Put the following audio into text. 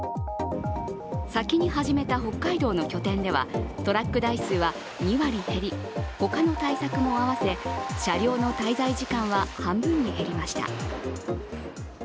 先に始めた北海道の拠点ではトラック台数は２割減り、他の対策も合わせ、車両の滞在時間は半分に減りました。